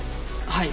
はい。